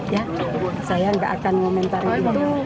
ya saya nggak akan meminta itu